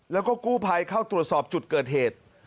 แล้วก็กู้ภัยเข้าตรวจสอบจุดเกิดเหตุ